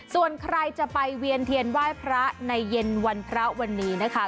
ส่วนใครจะไปเวียนเทียนไหว้พระในเย็นวันพระวันนี้นะคะ